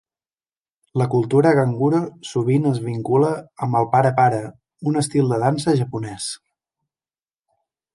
La cultura ganguro sovint es vincula amb el para para, un estil de dansa japonès.